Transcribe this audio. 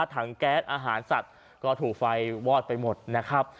ถังแก๊สอาหารสัตว์ก็ถูกไฟวอดไปหมดนะครับ